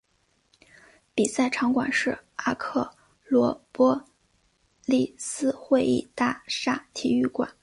比赛场馆是阿克罗波利斯会议大厦体育馆。